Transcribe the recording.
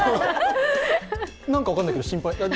何か分からないけど心配。